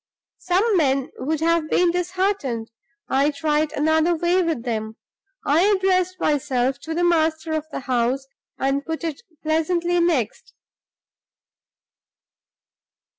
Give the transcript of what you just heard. Some men would have been disheartened: I tried another way with them; I addressed myself to the master of the house, and put it pleasantly next.